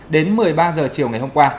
đến một mươi ba h chiều ngày hôm qua